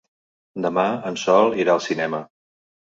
Demà en Sol irà al cinema.